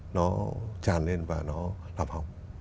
nó tràn lên và nó lạp hỏng